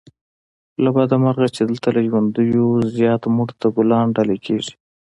له بده مرغه چې دلته له ژوندیو زيات مړو ته ګلان ډالې کېږي